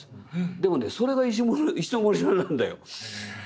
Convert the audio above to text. でもねそれが石森さんなんだよ。